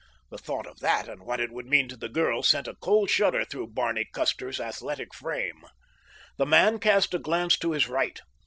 The thought of that and what it would mean to the girl sent a cold shudder through Barney Custer's athletic frame. The man cast a glance to his right.